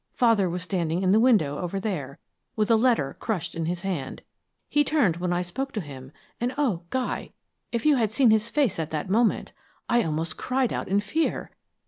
Father was standing in the window over there, with a letter crushed in his hand. He turned when I spoke to him, and, oh, Guy, if you had seen his face at that moment! I almost cried out in fear!